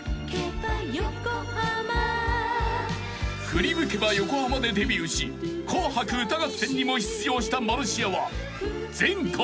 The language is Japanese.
［『ふりむけばヨコハマ』でデビューし『紅白歌合戦』にも出場したマルシアは前回］